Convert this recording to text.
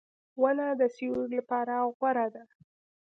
• ونه د سیوری لپاره غوره ده.